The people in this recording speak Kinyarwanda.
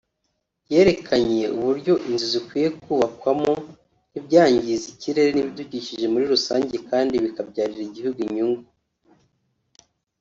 yerekanye uburyo inzu zikwiye kubakwamo ntibyangize ikirere n’ibidukikije muri rusange kandi bikabyarira igihugu inyungu